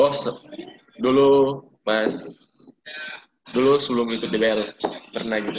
oh dulu mas dulu sebelum ikut dpr pernah gitu